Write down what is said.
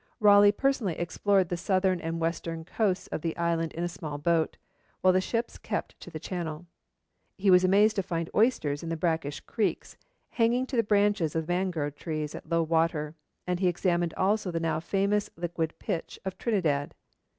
Raleigh personally explored the southern and western coasts of the island in a small boat, while the ships kept to the channel. He was amazed to find oysters in the brackish creeks hanging to the branches of the mangrove trees at low water, and he examined also the now famous liquid pitch of Trinidad.